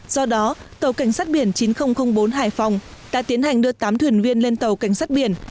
do đó tàu cảnh sát biển chín nghìn bốn hải phòng đã tiến hành đưa tám thuyền viên lên tàu cảnh sát biển